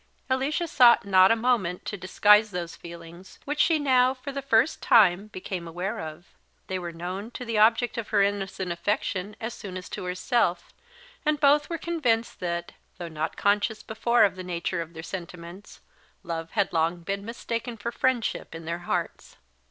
Alicia sought not a moment to disguise those feelings, which she now, for the first time, became aware of; they were known to the object of her innocent affection as soon as to herself, and both were convinced that, though not conscious before of the nature of their sentiments, love had long been mistaken for friendship in their hearts.